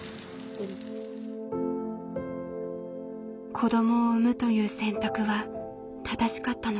子どもを産むという選択は正しかったのか。